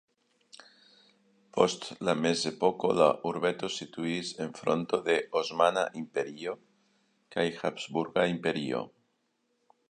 Post la mezepoko la urbeto situis en fronto de Osmana Imperio kaj Habsburga Imperio.